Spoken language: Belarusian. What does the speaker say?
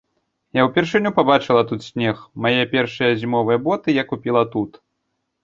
Я ўпершыню пабачыла тут снег, мае першыя зімовыя боты я купіла тут.